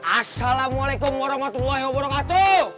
assalamualaikum warahmatullahi wabarakatuh